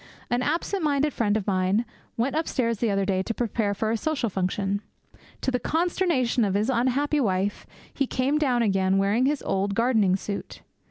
An absent minded friend of mine went upstairs the other day to prepare for a social function. To the consternation of his unhappy wife he came down again wearing his old gardening suit.